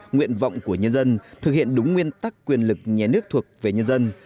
nguyện vọng của nhân dân thực hiện đúng nguyên tắc quyền lực nhé nước thuộc về nhân dân